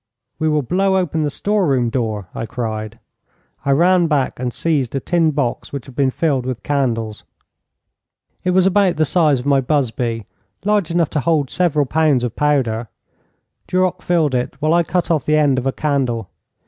'We will blow open the store room door,' I cried. I ran back and seized a tin box which had been filled with candles. It was about the size of my busby large enough to hold several pounds of powder. Duroc filled it while I cut off the end of a candle.